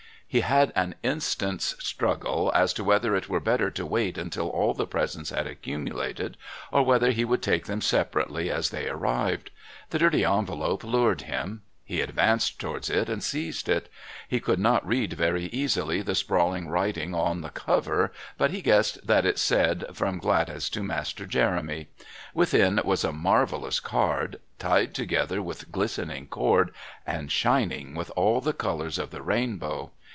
He had an instant's struggle as to whether it were better to wait until all the presents had accumulated, or whether he would take them separately as they arrived. The dirty envelope lured him. He advanced towards it and seized it. He could not read very easily the sprawling writing on the cover, but he guessed that it said "From Gladys to Master Jeremy." Within was a marvellous card, tied together with glistening cord and shining with all the colours of the rainbow.